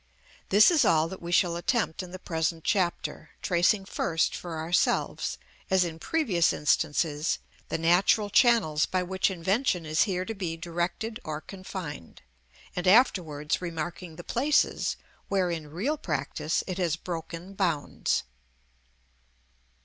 This is all that we shall attempt in the present chapter, tracing first for ourselves, as in previous instances, the natural channels by which invention is here to be directed or confined, and afterwards remarking the places where, in real practice, it has broken bounds.